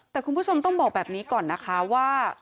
แต่คุณผู้ชมต้องบอกแบบนี้ก่อนนะคะว่า